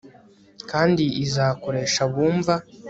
kandi izakoresha abumva